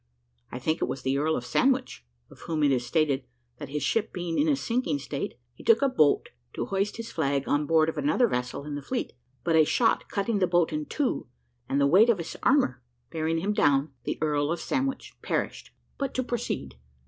I think it was the Earl of Sandwich, of whom it is stated, that his ship being in a sinking state, he took a boat to hoist his flag on board of another vessel in the fleet, but a shot cutting the boat in two, and the weight of his armour bearing him down, the Earl of Sandwich perished. But to proceed.